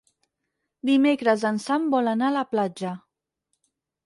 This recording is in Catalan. Dimecres en Sam vol anar a la platja.